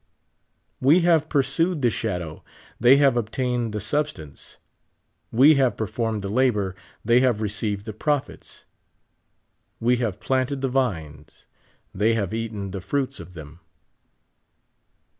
We have pursued the shadow, they have obtained the sub stance ; we have performed the labor, they have received the profits ; we have planted the vines, they have eaten the fruits of them.